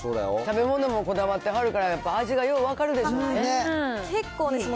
食べ物もこだわってはるから、やっぱ味がよう分かるでしょうね。